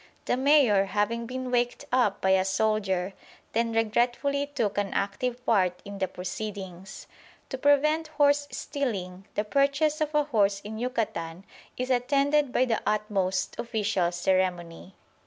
The Mayor, having been waked up by a soldier, then regretfully took an active part in the proceedings. To prevent horse stealing, the purchase of a horse in Yucatan is attended by the utmost official ceremony.